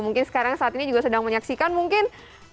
mungkin sekarang saat ini juga sedang menyaksikan mungkin